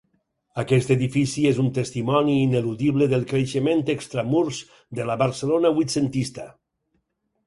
Aquest edifici és un testimoni ineludible del creixement extramurs de la Barcelona vuitcentista.